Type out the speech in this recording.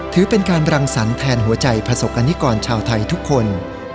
ถือเป็นการบรังสรรค์แทนหัวใจประสบกรณิกรชาวไทยทุกคน